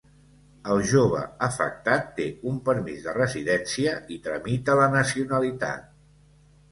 El jove afectat té un permís de residència i tramita la nacionalitat.